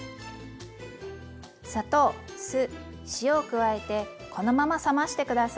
砂糖酢塩を加えてこのまま冷まして下さい。